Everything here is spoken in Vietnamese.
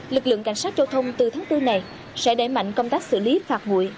lực lượng cảnh sát giao thông từ tháng bốn này sẽ đẩy mạnh công tác xử lý phạt nguội